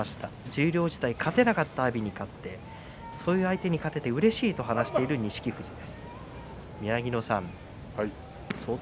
十両時代、勝てなかった阿炎にも勝ってそういう相手に勝ってうれしいと語っていた錦富士です。